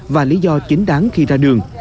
và lý do chính đáng khi ra đường